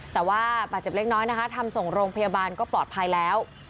แต่ว่าบาดเจ็บเล็กน้อยนะคะทำส่งโรงพยาบาลก็ปลอดภัยแล้ว